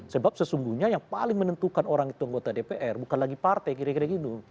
sebab sesungguhnya yang paling menentukan orang itu anggota dpr bukan lagi partai kira kira gitu